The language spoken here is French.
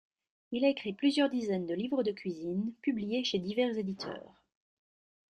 Il a écrit plusieurs dizaines de livres de cuisine publiés chez divers éditeurs.